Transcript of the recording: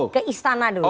ke istana dulu